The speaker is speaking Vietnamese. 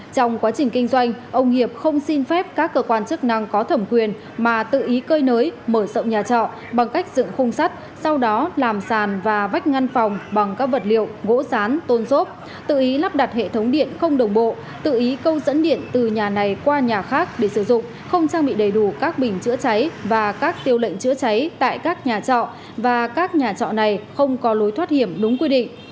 trong quá trình kinh doanh ông hiệp không xin phép các cơ quan chức năng có thẩm quyền mà tự ý cơi nới mở sộng nhà trọ bằng cách dựng khung sắt sau đó làm sàn và vách ngăn phòng bằng các vật liệu gỗ sán tôn xốp tự ý lắp đặt hệ thống điện không đồng bộ tự ý câu dẫn điện từ nhà này qua nhà khác để sử dụng không trang bị đầy đủ các bình chữa cháy và các tiêu lệnh chữa cháy tại các nhà trọ và các nhà trọ này không có lối thoát hiểm đúng quy định